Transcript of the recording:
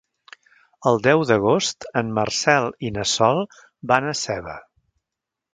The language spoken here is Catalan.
El deu d'agost en Marcel i na Sol van a Seva.